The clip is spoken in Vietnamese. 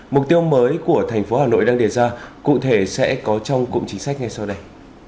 mục tiêu mới của thành phố hà nội đang đề ra cụ thể sẽ có trong cụm chính sách ngay sau đây